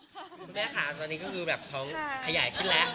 คุณแม่ค่ะตอนนี้ก็คือแบบของขยายขึ้นแล้ว